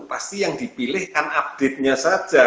pasti yang dipilih kan update nya saja